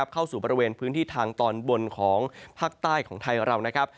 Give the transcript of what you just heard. เข้าสู่บริเวณพื้นที่ทางตอนบนของภาคใต้ของไทยเรานะครับ